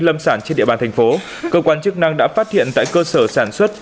lâm sản trên địa bàn thành phố cơ quan chức năng đã phát hiện tại cơ sở sản xuất